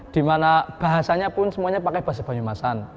di mana bahasanya pun semuanya pakai bahasa banyumasan